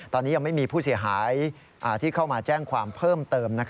ตอนนี้ยังไม่มีผู้เสียหายที่เข้ามาแจ้งความเพิ่มเติม